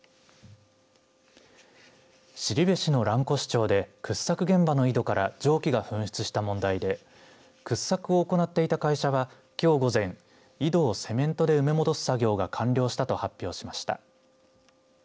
後志の蘭越町で掘削現場の井戸から蒸気が噴出した問題で掘削を行っていた会社はきょう午前、井戸をセメントで埋め戻す作業が完了したと発表しました。